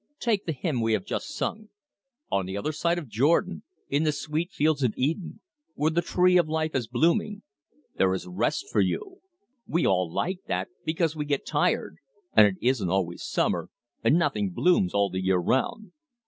Take the hymn we have just sung: "'On the other side of Jordan, In the sweet fields of Eden, Where the tree of life is blooming, There is rest for you!' "We all like that, because we get tired, and it isn't always summer, and nothing blooms all the year round.